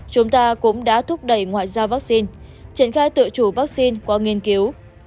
chúng ta cũng đã thúc đẩy ngoại giao vaccine triển khai tự chủ vaccine qua nghiên cứu